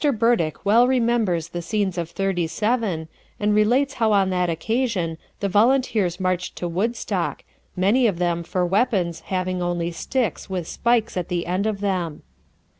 Burdick well remembers the scenes of '37, and relates how on that occasion the volunteers marched to Woodstock, many of them for weapons having only sticks with spikes in the end of them.